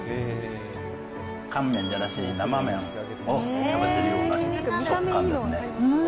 乾麺じゃなしに、生麺を食べてるような食感ですね。